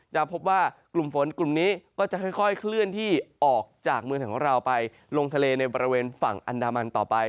จะพบว่ากลุ่มฝนกลุ่มนี้ก็จะค่อยเคลื่อนที่ออกจากเมืองของเราไปลงทะเลในบริเวณฝั่งอันดามันต่อไป